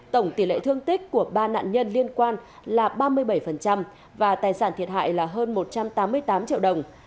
tổng tỷ lệ thương tích của ba nạn nhân liên quan là ba mươi bảy và tài sản thiệt hại là hơn một trăm tám mươi tám triệu đồng